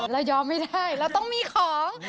เรายอมไม่ได้เราต้องมีของ